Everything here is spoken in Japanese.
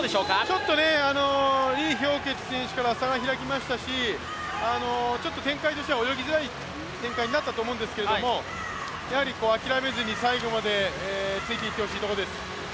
ちょっと李氷潔選手から差が開きましたし、展開としては泳ぎづらい展開になったと思うんですけど、やはり諦めずに最後までついていってほしいところです。